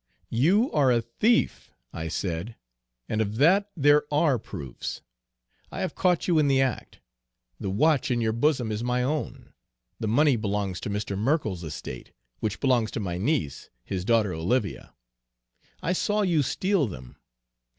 "'You are a thief,' I said, 'and of that there are proofs. I have caught you in the act. The watch in your bosom is my own, the money belongs to Mr. Merkell's estate, which belongs to my niece, his daughter Olivia. I saw you steal them.